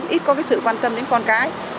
ít có cái sự quan tâm đến con cái